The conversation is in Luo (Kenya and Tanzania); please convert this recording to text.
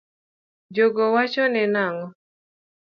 Jogo wachone nango ?